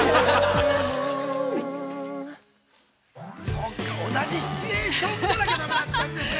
◆そっか、同じシチュエーションじゃなきゃだめだったんですね。